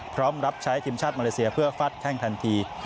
พร้อมรับใช้ทีมชาติมาเลเซียเพื่อฟัดแข้งทันที